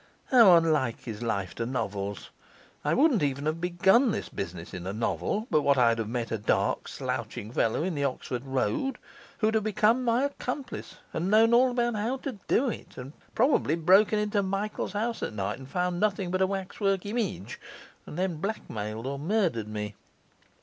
How unlike is life to novels! I wouldn't have even begun this business in a novel, but what I'd have met a dark, slouching fellow in the Oxford Road, who'd have become my accomplice, and known all about how to do it, and probably broken into Michael's house at night and found nothing but a waxwork image; and then blackmailed or murdered me.